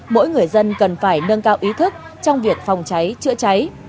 mỗi người dân cần phải nâng cao ý thức trong việc phòng cháy chữa cháy